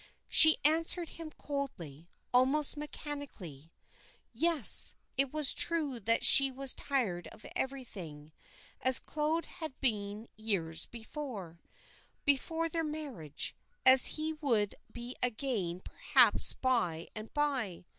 She answered him coldly, almost mechanically. Yes; it was true that she was tired of everything, as Claude had been years ago, before their marriage, as he would be again perhaps by and by.